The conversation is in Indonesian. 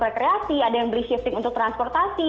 rekreasi ada yang beli shifting untuk transportasi